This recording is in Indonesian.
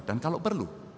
dan kalau perlu